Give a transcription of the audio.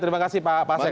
terima kasih pak pasek